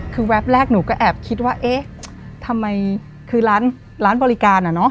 คือแป๊บแรกหนูก็แอบคิดว่าเอ๊ะทำไมคือร้านบริการอ่ะเนอะ